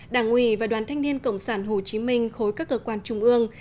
đảng ủy và đoàn thanh niên cộng sản hồ chí minh khối các cơ quan trung ương